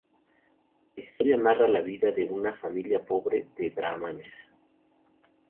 La historia narra la vida de una familia pobre de brahmanes.